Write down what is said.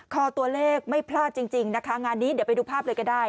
คอตัวเลขไม่พลาดจริงนะคะงานนี้เดี๋ยวไปดูภาพเลยก็ได้